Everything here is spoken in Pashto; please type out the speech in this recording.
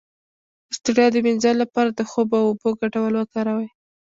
د ستړیا د مینځلو لپاره د خوب او اوبو ګډول وکاروئ